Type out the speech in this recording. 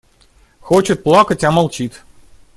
Хочет плакать, а молчит.